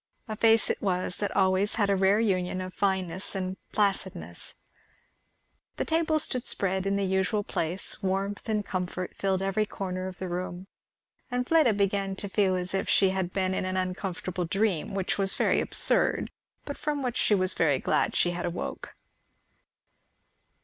A face it was that always had a rare union of fineness and placidness. The table stood spread in the usual place, warmth and comfort filled every corner of the room, and Pleda began to feel as if she had been in an uncomfortable dream, which was very absurd, but from which she was very glad she had awoke.